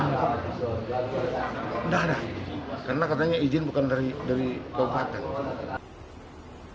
nggak ada karena katanya izin bukan dari kawasan